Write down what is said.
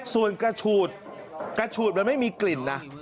ส่วนกระฉูดมันไม่มีกลิ่นนะ